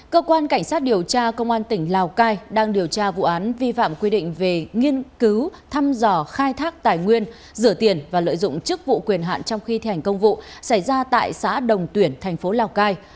cơ quan cảnh sát điều tra công an tỉnh lào cai đang điều tra vụ án vi phạm quy định về nghiên cứu thăm dò khai thác tài nguyên rửa tiền và lợi dụng chức vụ quyền hạn trong khi thi hành công vụ xảy ra tại xã đồng tuyển thành phố lào cai